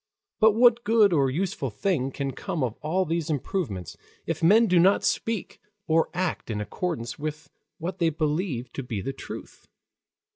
But what good or useful thing can come of all these improvements, if men do not speak and act in accordance with what they believe to be the truth?